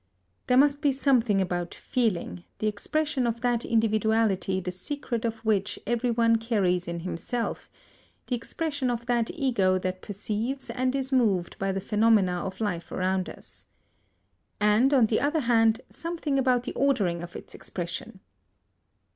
There must be something about feeling, the expression of that individuality the secret of which everyone carries in himself; the expression of that ego that perceives and is moved by the phenomena of life around us. And, on the other hand, something about the ordering of its expression.